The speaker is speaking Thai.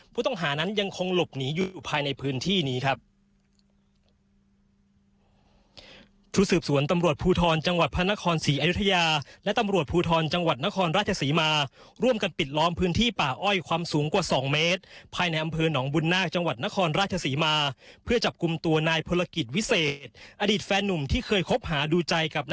ผู้ต้องหานั้นยังคงหลบหนีอยู่ภายในพื้นที่นี้ครับ